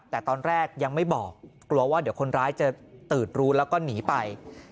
แต่ตอนแรกยังไม่บอกกลัวว่าเดี๋ยวคนร้ายจะตื่นรู้แล้วก็หนีไป